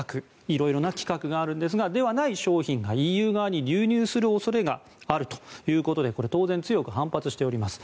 色々な規格があるんですがそうではない商品がＥＵ側に流入する恐れがあるということでこれは当然強く反発しております。